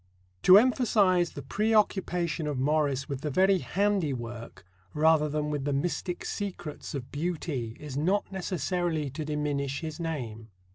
To emphasize the preoccupation of Morris with the very handiwork, rather than with the mystic secrets, of beauty is not necessarily to diminish his name.